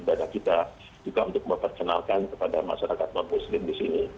juga untuk memperkenalkan kepada masyarakat non muslim di sini